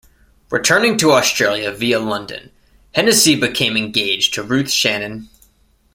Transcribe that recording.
Returning to Australia via London, Hennessy became engaged to Ruth Shannon.